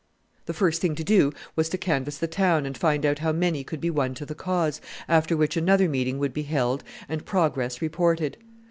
The first thing to do was to canvass the town and find out how many could be won to the cause, after which another meeting would be held and progress reported.